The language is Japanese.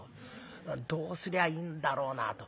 どうすりゃいいんだろうなと。